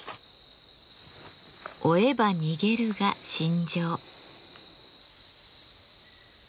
「追えば逃げる」が信条。